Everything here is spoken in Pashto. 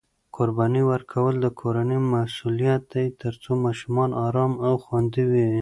قرباني ورکول د کورنۍ مسؤلیت دی ترڅو ماشومان ارام او خوندي وي.